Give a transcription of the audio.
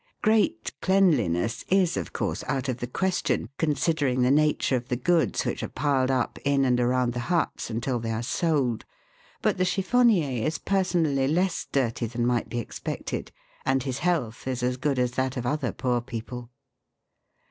Great cleanliness is, of course, out of the question, considering the nature s 274 THE WORLD'S LUMBER ROOM. of the goods which are piled up in and around the huts until they are sold ; but the chiffonnier is personally less dirty than might be expected, and his health is as good as that of other poor people.